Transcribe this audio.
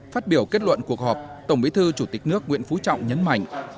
phát biểu kết luận cuộc họp tổng bí thư chủ tịch nước nguyễn phú trọng nhấn mạnh